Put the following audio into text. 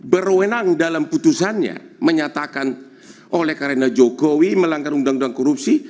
berwenang dalam putusannya menyatakan oleh karena jokowi melanggar undang undang korupsi